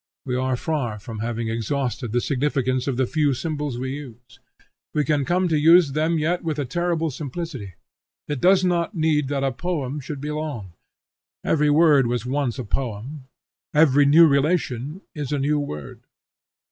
We are far from having exhausted the significance of the few symbols we use. We can come to use them yet with a terrible simplicity. It does not need that a poem should be long. Every word was once a poem. Every new relation is a new word.